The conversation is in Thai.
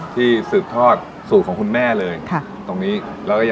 ที่สืบทอดสูตรของคุณแม่เลย